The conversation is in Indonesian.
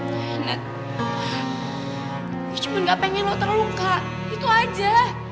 nah nat gue cuman gak pengen lo terluka itu aja